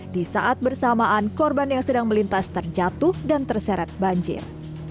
di saat bersamaan korban yang sedang melintas terjatuh dan terseret banjir